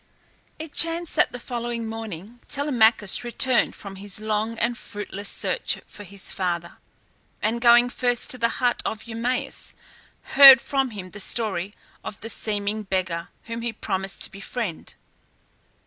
It chanced that the following morning Telemachus returned from his long and fruitless search for his father, and going first to the hut of Eumaeus, heard from him the story of the seeming beggar whom he promised to befriend.